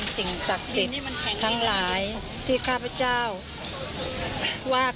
สาโชค